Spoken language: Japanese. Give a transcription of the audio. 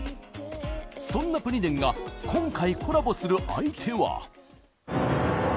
そんな、ぷに電が今回コラボする相手は。